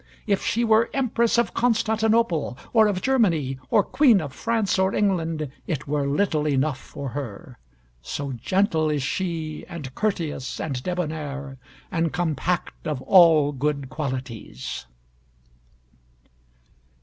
If she were Empress of Constantinople or of Germany, or Queen of France or England, it were little enough for her; so gentle is she and courteous, and debonnaire, and compact of all good qualities."